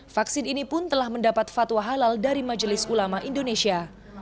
vaksin ini pun telah mendapat fatwa halal dari majelis ulama indonesia